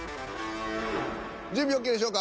準備ＯＫでしょうか？